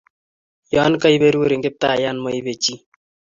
Yon keberurin Kiptaiyat ma pee chii.